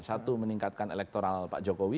satu meningkatkan elektoral pak jokowi